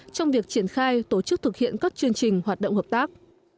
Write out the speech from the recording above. trong việc triển khai tổ chức thực hiện các chương trình hoạt động hợp tác